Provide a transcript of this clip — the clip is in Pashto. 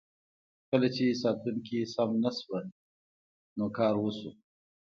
کله چې ساتونکي سم نشه شول نو کار وشو.